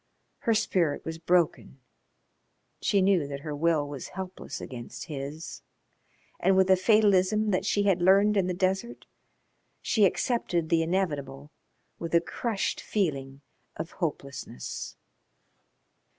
Her spirit was broken. She knew that her will was helpless against his, and with a fatalism that she had learned in the desert she accepted the inevitable with a crushed feeling of hopelessness.